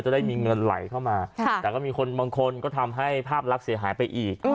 ได้มีเงินไหลเข้ามาแต่ก็มีคนบางคนก็ทำให้ภาพลักษณ์เสียหายไปอีก